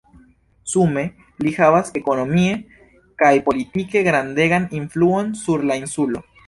Sume li havas ekonomie kaj politike grandegan influon sur la insulo.